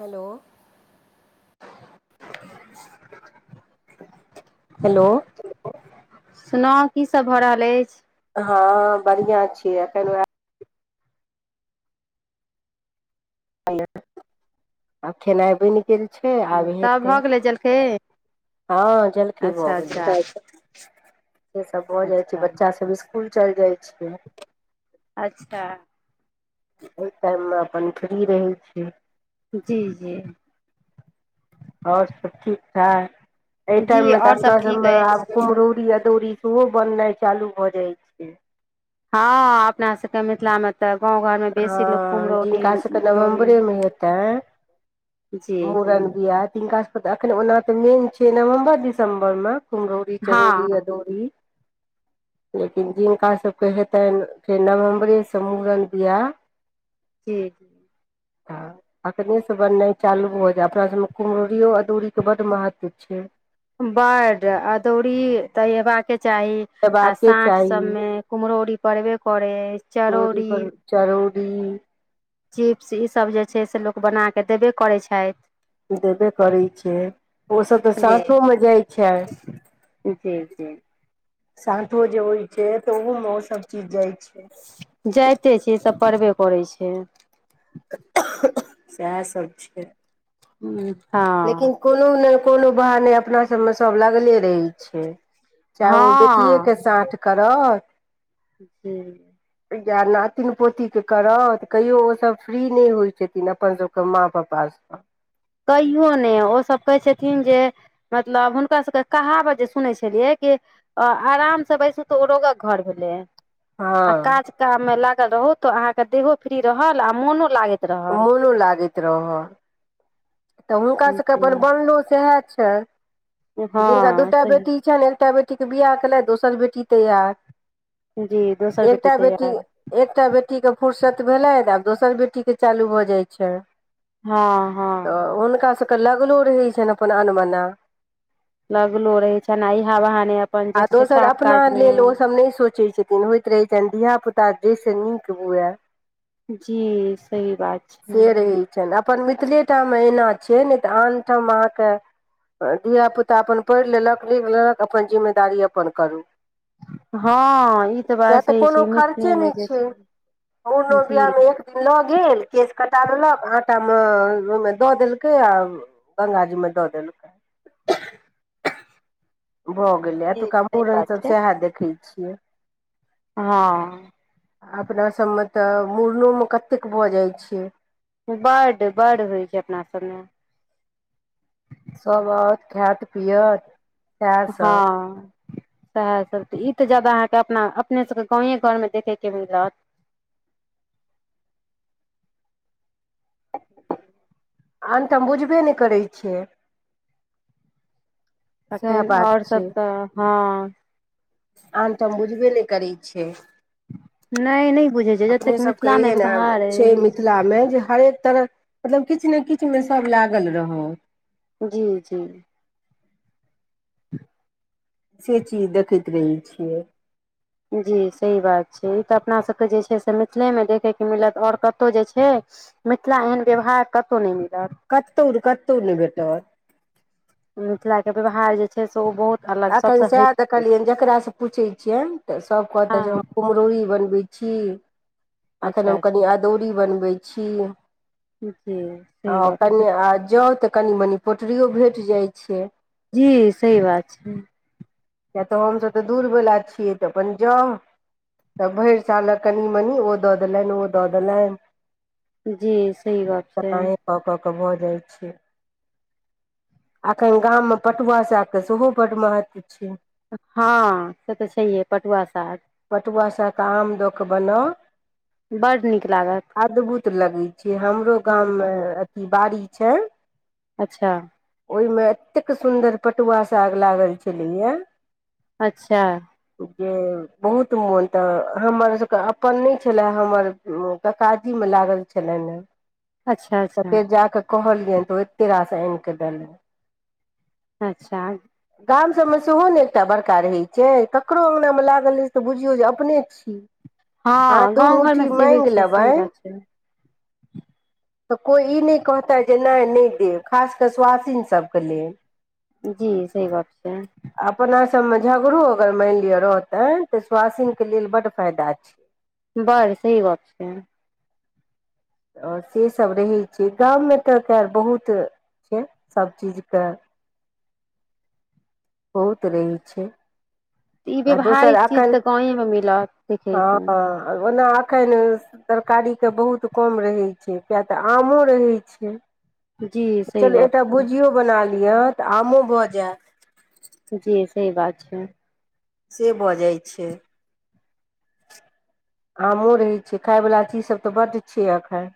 Hello [inaudible] hello सुनाव की सब भऽ रहल अछि हँ बढ़िआँ छियै एखन ओएह भेलइ आ खनाइ बइन गेल छै आब तब हेतै भऽ गेलै जलखै हँ जलखइ भऽ अच्छा अच्छा गेलइ से सब भऽ जाय छै अच्छा बच्चा सब स्कूल चल जाय छै अच्छा ओइ टाइममे अपन फ्री रहै छी जी जी आओर सब ठीक ठाक जी एहिठम मे तऽ आओर अपना सब ठीक सबमे आब अछि कुम्हरौरी अदौरी सोहो बननाइ चालू भऽ जाइ छै। हँ अपना सबके मिथिलामे तऽ गाँव घरमे बेसी लोक ह कुम्हरौरी जिनका सभके मुरौरी नवम्बरेमे हेतै जी जी मुड़न बियाह तिनका सबके एखन ओना तऽ मेन छै। नवम्बर दिसम्बर मे कुम्हरौरी हँ चरौड़ी अदौरी लेकिन जिनका सबके हेतनि फेर नवम्बरे स मुड़न पिया जी ह एखनेसँ बननाइ चालू हो जाय अपना सभमे कुम्हररिओ अदूरीके बड महत्व छै बड्ड अदौरी तऽ हेबाके चाही आ हेबाके साँठ चाही सभमे कुम्हरौरी पड़बे करै अछि चरौरी ह चिप्स ईसभ जे छै से लोक बना कऽ देबे करैत छथि देबे करै छै ओसभ तऽ जी साठो मे जाइ छै जी जी साठो जे होइ छै त ओहो मे ओसब चीज जाइ छै जाइते छियै इसभ परबे करै छै सएह सभ छै ह लेकिन कोनो ने कोनो बहाने अपना सबमे सब लागले रहै छै चाहे ओ बेटियेके हँ साँठ करत जी या नातिन पोतीके करत कहियो ओ सब फ्री नहि होइ छथिन अपन सबके माँ पापा [inaudible] कहियो ने ओसब कहै छथिन जे मतलब हुनका सबके कहावत जे सुनय छलियै कि आ आराम सऽ बैसू तऽ ओ रोगक घर भेलै आ हँ काज काम मे लागल रहू तो अहाँके देहो फ्री रहल आ मोनो लागैत रहल मोनो लागैत रहअ तऽ हुनका सभके जी अपन बनलो सएह हँ जिनका दूटा बेटी सही छनि एकटा बेटी बेटीक के बियाह केलैथ दोसर बेटी तैयार जी दोसर एकटा बेटी तैयार एकटा बेटीे के फुरर्सत भेलै तऽ आब दोसर बेटी के चालू भऽ जाइ छै हँ तऽ हँ हुनकासभके लगलो रहै छनि अपन अनमना लगलो रहे छइन आ ऐहा बहाने अपन जे आ छै दोसर काम अपना काज मे लेल ओसभ नहि सोचैत छथिन होइत रहैत छनि धियापुता ताजे से निक बूए जी सही बात छै से रहै छनि अपन मिथिलेटामे एना छै नहि तऽ आनठाम अहाँकेँ धियापुता अपन पढ़ि लेलक लिख लेलक अपन जिम्मेदारी अपन करू हँ ई तऽ किया बात सही छै मैथिलीमे जे छै मुड़नो जी बियाह मे जी एक दिन लऽ गेल केस कटा लेलक आटा मे ओहिमे दऽ देलकै आ गंगाजी मे दऽ देलकै भऽ गेलै एतुका सही बात मुड़नसभ छै सएह देखै छियै हँ अपनासभमे तऽ मुड़नोमे कतेक भऽ जाइत छै बड्ड बड्ड होइ छै अपना सभमे सभ आओत खायत पियत सएह सब हँ सएहसभ तऽ ई तऽ ज्यादा अहाँके अपना अपने सभके गाँवे घरमे देखयके मिलत [inaudible] आनठम बुझबे नहि करय छियै सएह तखन बात आओर सभ छै तऽ हँ आनठम बुझबे नहि करय छै नहि नहि बुझै छै अपने जतेक सबके मिथिलामे एहन व्यवहार छै अछि मिथिलामे जे हरेक तरह मतलब किछ ने किछ किछ मे सब लागल रहौ जी जी [inaudible] से चीज देखैत रहय छियै जी सही बात छै ई तऽ अपना सबके जे छै से मिथिलेमे देखयके मिलत आओर कतहु जे छै मिथिला एहन व्यवहार कतहु नहि मिल कतो कतो नहि भेटत मिथिला के व्यवहार जे छै से ओ बहुत अलग एखन सभसँ सएह हटि देखलियनि जकरासँ पूछैत छियनि तऽ सभ कहते जे हम कुम्हरौरी बनबै छी एखन अच्छा अच्छा हम कनि अदौड़ी बनबै छी जी आ सही गप छै कनि आ जाउ तऽ कनि मनि पोटरियो भेट जाइ छै जी सही बात छै किए तऽ हमसभ तऽ दूरवला छियै तऽ अपन जाउ तऽ भरि सालक कनि मनि ओ दऽ देलनि ओ दऽ देलनि जी सही बात छै क भऽ जाइ छै एखन गाममे पटुआ सागके सेहो बड्ड महत्व छै हँ से तऽ छैहे पटुआ साग पटुआ साग के आम दऽ कऽ बनाउ बड्ड नीक लागत अद्भुत लगै छै हमरो गाममे बहुत अथी बारी छै अच्छा ओहिमे एतेक सुन्दर पटुआ साग लागल छलैएे अच्छा जे बहुत मोन तऽ हमर सबके अपन नहि छले हमर ककाजी मे लागल छलै ने अच्छा अच्छा कहलियनि तऽ ओते रास आनि कऽ देलनि अच्छा गाम सब में सेहो ने एकटा बड़का रहय छै ककरो अंगना में लागल तऽ बुझियौ जे अपने छी अहाँ हँ दू गाँव घरमे मुठी से होइ मांइग छै लेबै सही बात छै तऽ कोइ ई नहि कहता जे नहि नहि देब खास कऽ सुआसिन सभके लेल जी सही बात छै सबमे झगड़ो अगर मानि लिअ रहतै तऽ स्वासिन के लेल बड्ड फायदा छै बड़ सही गप्प छै आओर सेसभ रहैत छै। गाममे तऽ खैर बहुत से सभ चीजके बहुत रहै छै ई आ दोसर व्यावहारिक चीज अखन तऽ गाँवेमे मिलत हँ देखैके आर ओना एखन तरकारीके बहुत कम रहै छै किया तऽ आमो रहैत छै जी सही चलू गप एकटा छै भुजियो बना लिअ तऽ आमो भऽ जायत जी सही बात छै से भऽ जाइ छै आमो रहैत छै खायवला चीजसभ तऽ बड्ड छैियै एखन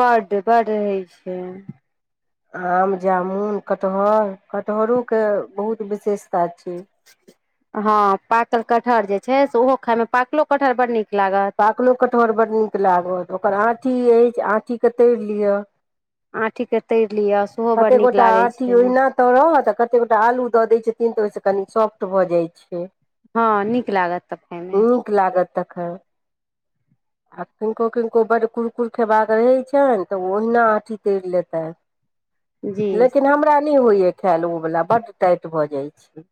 बड्ड बड रहै छै आम जामुन कटहर कटहरोके बहुत विशेषता छै हँ पाकल कटहर जे छै से ओहो खायइमे पाकलो कटहर बड़ नीक लागत पाकलो कटहर बड्ड नीक लागत ओकर आँठी अछि आँठीकेँ तइर लिअ हँ ठीके तइर कतेक गोटा आठी ओहिना तरत आ कतेक गोटा आलू दऽ दैत छथिन तऽ ओहिसँ कनी सॉफ्ट भऽ जाइत छै हँ नीक लागत त खायमे नीक लागत तखन आ किनको किनको बड्ड कुरकुर खयबाक रहै छनि तऽ ओ ओहिना आँठी तइर लेतै जी लेकिन अ हमरा नहि होइए खायल ओवला बड्ड टाइट भऽ जाइत छै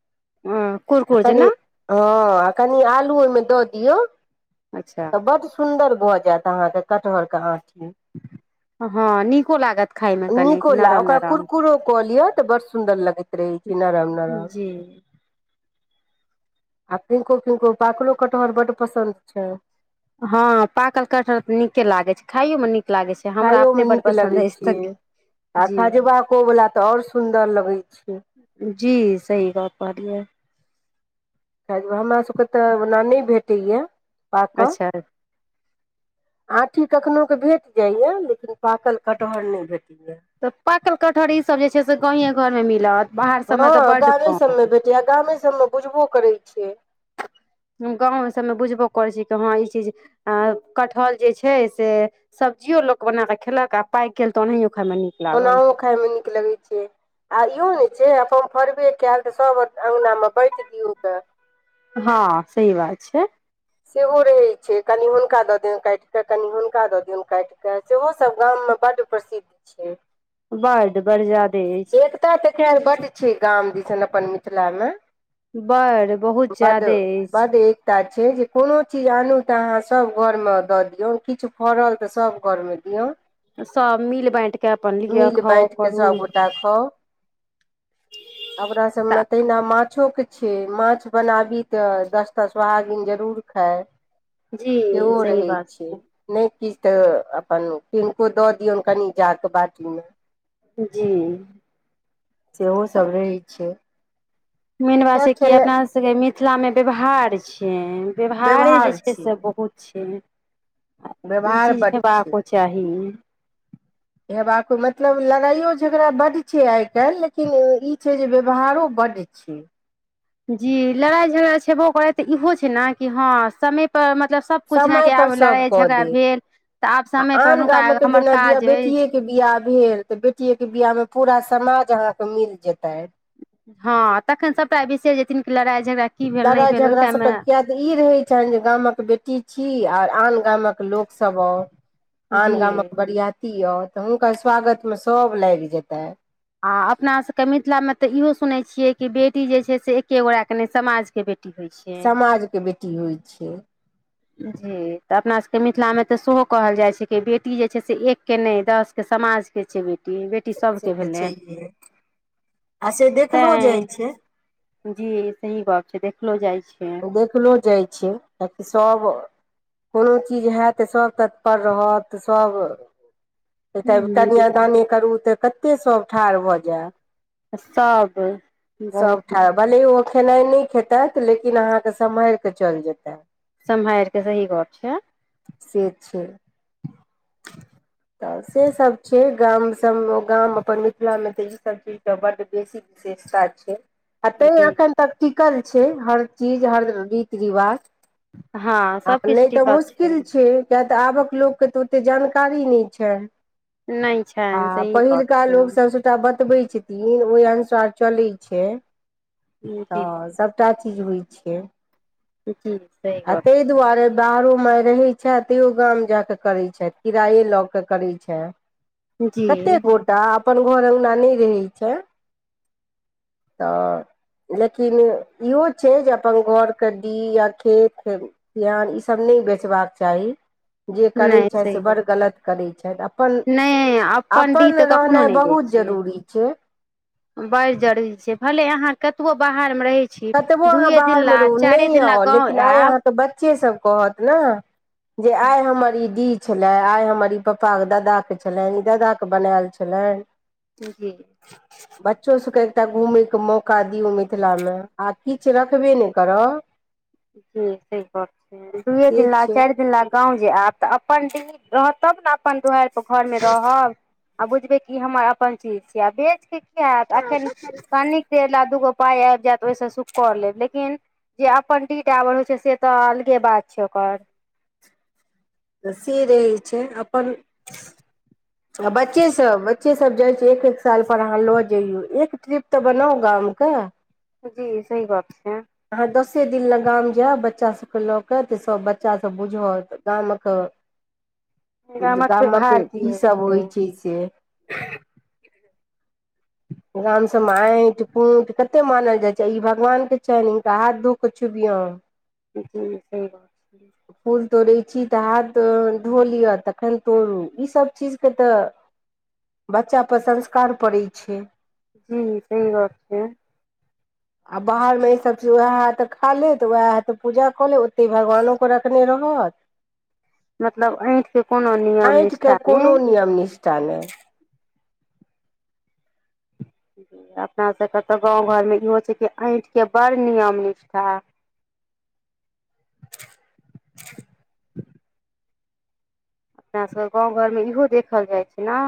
आ कुरकुर कनि जेना हँ कनि आलू ओहिमे दऽ दियौ अच्छा सुंदर भऽ जा अहाँके कटहर के आठी हँ नीको लागत खायमे कनिक निको ल नरम ओकरा नरम कुरकुरो कऽ लिय तऽ बड़ सुंन्दर लगैत रहे छी नरम नरम जी आ पिंको पिंको पाकलो कटहर बड्ड पसन्द छै हँ पाकल कटहर तऽ नीके लागैत छै खाइयो मे नीक लागै छै हमरा खाइयो मे अपने बड नीक लगै पसन्द अछि छै तऽ आ जी खजबाकोवला तऽ आओर सुन्दर लगैत छै जी सही गप कहलियै ख हमर सभकेँ तऽ ओना नहि भेटैएा अच्छा आँठी कखननो के भेट जाइएा लेकिन पाकल कटहर नहि भेटै तऽ पाकल कठहरी ई सब जे छै से गाये घरमे मिलत बाहर सबमे तऽ हँ बड्ड गामे कम सभमे भेटैए गामे सभमे बुझबो करै छिय गाँवमे सभमे बुझबो करैत छी कि हँ ई चीज अ कटहल जे छै से सब जियो लोक बना क खेलक आ पाय केल त ओनाहियो खायमे नीक लागल ओनाहो खाय मे नीक लगैत छै, आ इहो होइ छै, हम फरबे केयल तऽ सब अङ्गनामे बाँटि दियौ तऽ हँ सही बात छै सेहो रहैत छै कनि हुनका दऽ दियो काटि कऽ कनि हुनका दऽ दियो काटि कऽ सेहोसभ गाममे बड प्रसिद्ध छै बड्ड बड़ ज्यादे अछि एकता तऽ खैर बच छै गाम दिस ने अपन मिथिला मे बड़ बहुत बड़ ज्यादे बड़ अछि एकता छै जे कोनो चीज आनू तऽ अहाँ सब घरमे दऽ दियऔ किछु फड़ल तऽ सब घरमे दियौन सब मिल बाँटि के अपन लिअ मिल खाउ बाइट क करू सब गोटा खाँउ अपना सब मे तहिना माँ माछोके छै माछ बनाबी तऽ दसटा सोहागीन जरूर खाइ जी सेहो सही रहै बात छै नहि किछु तऽ अपन किनको दऽ दियौन कनि जा क बाटीमे जी सेहो सभ रहै छै मेन बात किया छै की खेनाइ अपना सबके मिथिला मे व्यवहार छिय व्यवहारे जे छै से बहुत छै आ ई व्यवहार चीज बड्ड छै हेबाके चाही हेबाक मतलब लड़ाइयो झगड़ा बड्ड छै आइ काल्हि लेकिन ई छै जे व्यवहारो बड़ छी जी लड़ाइ झगड़ा छेबो करै तऽ इहो छै ने कि हँ समय पर मतलब सब कुछ जे समय के आब पर सब लड़ाई कऽ झगड़ा देत भेल तऽ आब समय पर हुनका हमर काज अछि। बटीये के बियाह भेल ते बेटीे के बियाह में पूरा समाज अहा के मिल जेतइन हँ तखन सभटा बिसैर जेथिन लड़ाइ झगड़ा की भेल नहि लड़ाइ भेल ओहि झगड़ा सभके टाइममे किए तऽ ई रहैत छनि जे गामक बेटी छी आर आन गामक लोक सब आ आन जी गामक बरियाती ती आउर तऽ हुनकर स्वागत मे सब लागि जेतै आ अपनासभके मिथिलामे तऽ इहो सुनैत छियै कि बेटी जे छै से एक्े गोटाक के नहि समाजके बेटी होइ छै टी होइ छै। जी तऽ अपना सभके मिथिलामे तऽ सेहो कहल जाइत छै कि बेटी जे छै से एकके नहि दसके समाज के छै बेटी बेटी बेटी से सभके तऽ भेलै छैहे आ से देखलो जाइ ताइ छै जी सही गप छै देखलो जाइ छै देखलो जाइ छै किएकि सभ कोनो चीज हएत तऽ सभ तत्पर रहत सभ त तब जी कनियादानी करू तऽ कतेक सभ ठाढ़ भऽ जाय सब सब बहुत ठार भलै खेनाइ नहि खेतै लेकिन अहाँके सम्हाइर कऽ चलि जेता सम्हाइर कऽ सही गप छै से छै तऽ सेसभ छै गामसभ ओ गाम अपन मिथिलामे तऽ ईसभ चीजके बड्ड बेसी विशेषता छै आ तैँ जी एखन तक टिकल छै हर चीज हर रीति रिवाज हँ ह सबकिछु नहि तऽ टिकल मुश्किल छै कियैकी तऽ आबक लोक के तऽ ओते जानकारी नहि छै नहि आ छनि सही गप पहिलका छै लोको सबसोटा बतबै छथिन ओहि अनुसार चलैत छै। जी तऽ सबटा चीज होइ छै जी सही आ गप तइ दुआरे बाहरो मे रहै छै तैयो गाम जााक करैत छथि किराये लऽ के करैत छै छै जी कतेक गोटा अपन घर अङ्गना नहि रहै छै तऽ लेकिन इहो छै जे अपन घर के् डीह या खेत बिहान ईसभ नहि बेचबाक चाही जे करै नहि छथि सही से बड़ गप गलत करै छथि अपन नहि डीह अपन तऽ कखनो रहनाइ नहि दै बहुत छियै जरूरी छै बड़ जरूरी छै भले अहाँ कतबो बाहर कतबो अहाँ बाहरमे रहू चारे नहि दिन ला आउ गाँव लेकिन आइ अहाँ आयब तऽ बच्चेसभ कहत ने जे आइ हमर ई दी छले आइ हमर ई पापा के दादा के छलनि ई दादा के बनायल छलनि जी त घुमैके मौका दियौ मिथिलामे आ किछु रखबे नहि करब जी से गप्प छै दुए से दिन ले छै चारि दिन ले गाँव जे आयब तऽ अपन डीही रहत तब ने अपन दुआरि पर घरमे रहब आ बुझबै कि ई हमर अपन चीज छियै आ बेचके किया हत एखन कनिक देेल आ दूगो पाय आबि जायत ओहिसँ सुख कर लेब लेकिन जे अपन डीह डाबर होइ छै से तऽ अलगे बात छै ओकर तऽ से रहै छै अपन आ बच्चे सब बच्चे सब जाइ छी एक एक साल पर अहाँ लऽ जइयौ एक ट्रिप तऽ बनाउ गाम के जी सही गप्प ह आहा दस से दिन ल गाम जायब बच्चा सबके लऽ के तऽ सब बच्चा सब बुझत गामक गामक कीसभ होइ छै से गाम सँ माटि कूट कते मानल जाइ छै ई भगवान के छनि हिनका हाथ धो कऽ छुबियौ जी सही गप्प फूल तोड़ै छी तऽ हाथ धो लिअ तखन तोड़ू इसभ चीजके तऽ बच्चाा पर संस्कार पड़ैइ छै जी सही गप्प छैै [inaudible] आ बाहरमे ईसभ चीज उएह हए त खा ले तऽ उएह हए तऽ पूजा कऽ ले ओतहि भगवानोकेँ रखने रहत मतलब ऐंठ के कोनो नियम अइठ के निष्ठा नै कोनो नियम निष्ठा नहि अपना सबके तऽ गाँव घरमे इहो छै कि अइठ के बड़ नियम निष्ठा [inaudible] अपना सभ गाँव घरमे इहो देखल जाइ छै न